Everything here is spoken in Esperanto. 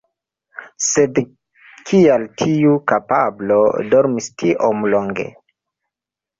Sed kial tiu kapablo dormis tiom longe?